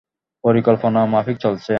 পরিকল্পনা মাফিক চলেছ।